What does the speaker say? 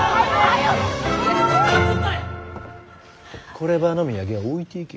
こればあの土産は置いていけ。